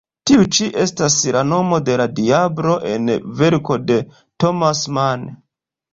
Tiu ĉi estas la nomo de la diablo en verko de Thomas Mann.